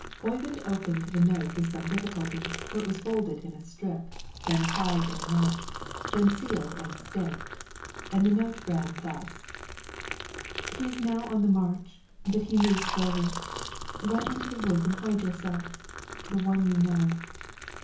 Oyvind opened the note with some difficulty, for it was folded in a strip, then tied in a knot, then sealed and stamped; and the note ran thus: "He is now on the march; but he moves slowly. Run into the woods and hide yourself! THE ONE YOU KNOW."